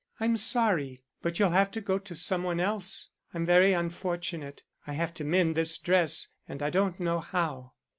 I'm sorry, but you'll have to go to some one else. I'm very unfortunate. I have to mend this dress and I don't know how."